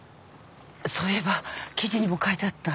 そういえば記事にも書いてあった。